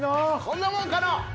こんなもんかな。